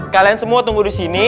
kalian semua tunggu di sini